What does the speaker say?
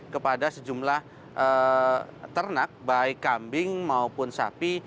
kepada sejumlah ternak baik kambing maupun sapi